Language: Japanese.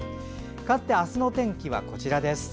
かわって、あすのお天気はこちらです。